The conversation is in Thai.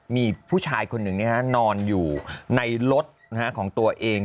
มีผู้ชายคนหนึ่งนอนอยู่ในรถของตัวเอง